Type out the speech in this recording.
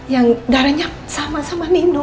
yang darahnya sama sama nindu